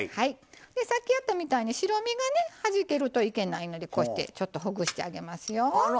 さっきやったみたいに白身がはじけるといけないのでこうしてちょっとほぐしてあげますよ。